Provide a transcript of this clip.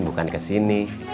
bukan ke sini